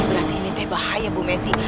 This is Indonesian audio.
berarti ini teh bahaya bu messi